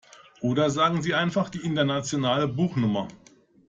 Oder sagen Sie einfach die internationale Buchnummer.